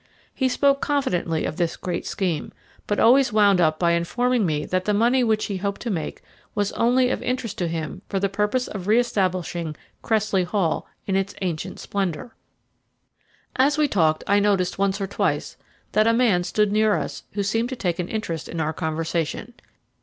He spoke confidently of this great scheme, but always wound up by informing me that the money which he hoped to make was only of interest to him for the purpose of re establishing Cressley Hall in its ancient splendour. As we talked I noticed once or twice that a man stood near us who seemed to take an interest in our conversation.